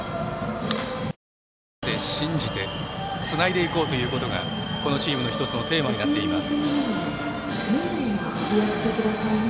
みんなで信じてつないでいこうということがこのチームの一つのテーマになっています。